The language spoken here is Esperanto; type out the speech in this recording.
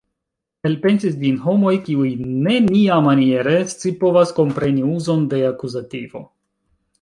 Elpensis ĝin homoj kiuj neniamaniere scipovas kompreni uzon de akuzativo.